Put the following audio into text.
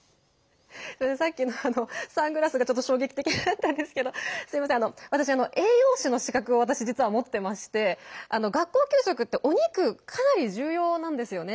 さっきのサングラスがちょっと衝撃的だったんですけど私、栄養士の資格を実は持ってまして学校給食ってお肉、かなり重要なんですよね。